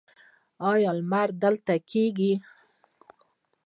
ایا لمر ته کینئ؟